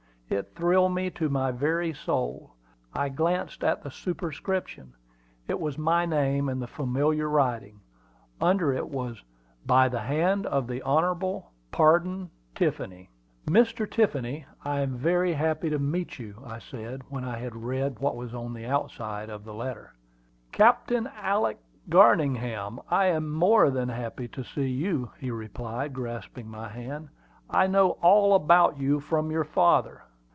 It thrilled me to my very soul. I glanced at the superscription. It was my name in the familiar writing. Under it was, "By the hand of the Hon. Pardon Tiffany." "Mr. Tiffany, I am very happy to meet you," I said, when I had read what was on the outside of the letter. "Captain Alick Garningham, I am more than happy to see you," he replied, grasping my hand. "I know all about you from your father."